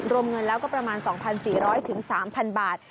รวมเงินแล้วก็ประมาณ๒๔๐๐๓๐๐บาท